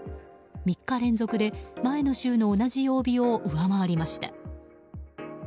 ３日連続で前の週の同じ曜日を上回りました。